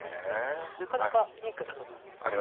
なかなかいい句だと思います。